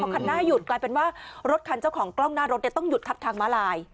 คันหน้าหยุดกลายเป็นว่ารถคันเจ้าของกล้องหน้ารถต้องหยุดคัดทางมาลาย